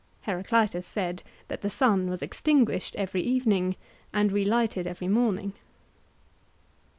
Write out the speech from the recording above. (Heraclitus said that the sun was extinguished every evening and relighted every morning.)